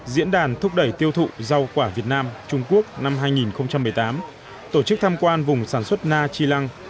diễn đàn thúc đẩy tiêu thụ rau quả việt nam trung quốc năm hai nghìn một mươi tám tổ chức tham quan vùng sản xuất na chi lăng